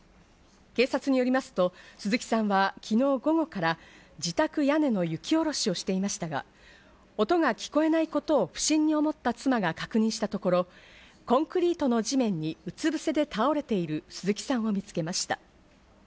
警察によりますと、鈴木さんは昨日午後から自宅屋根の雪下ろしをしていましたが、音が聞こえないことを不審に思った妻が確認したところ、コンクリートの地面に、うつ伏せで倒れている鈴木さんを見つけました。